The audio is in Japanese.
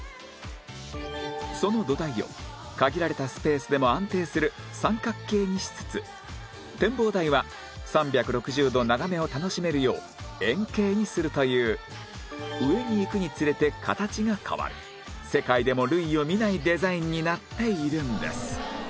その土台を限られたスペースでも安定する三角形にしつつ展望台は３６０度眺めを楽しめるよう円形にするという上にいくにつれて形が変わる世界でも類を見ないデザインになっているんです